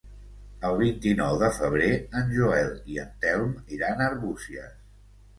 El vint-i-nou de febrer en Joel i en Telm iran a Arbúcies.